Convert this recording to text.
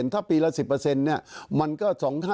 ถ้าปีละ๑๐มันก็๒๕๖